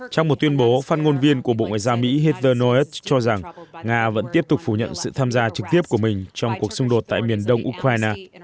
trong một tuyên bố phát ngôn viên của bộ ngoại giao mỹ hezer not cho rằng nga vẫn tiếp tục phủ nhận sự tham gia trực tiếp của mình trong cuộc xung đột tại miền đông ukraine